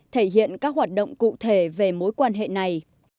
thể hiện các hoạt động cụ thể về mối quan hệ này